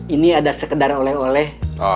ini ada sekedar oleh oleh